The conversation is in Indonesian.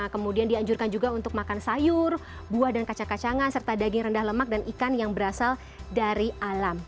kemudian dianjurkan juga untuk makan sayur buah dan kacang kacangan serta daging rendah lemak dan ikan yang berasal dari alam